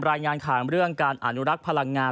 รายงานข่าวเรื่องการอนุรักษ์พลังงาน